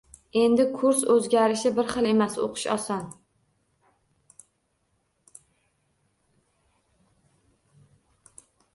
Endi kurs o'zgarishi bir xil emas, o'qish oson